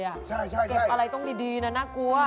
เก็บอะไรต้องดีนะน่ากลัว